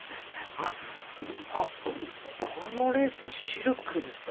あっあっこのレースはシルクですか。